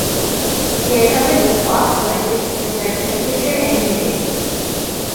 They are covered with cloth blankets to preserve temperature and humidity.